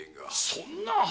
そんな！